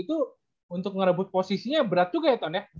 itu untuk merebut posisinya berat juga ya ton ya